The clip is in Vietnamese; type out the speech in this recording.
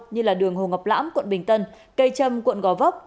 như là đường hồ ngọc lãm quận bình tân cây trâm quận gò vấp